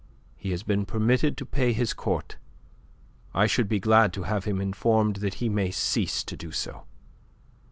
He has been permitted to pay his court. I should be glad to have him informed that he may cease to do so."